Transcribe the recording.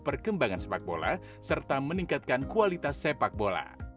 perkembangan sepak bola serta meningkatkan kualitas sepak bola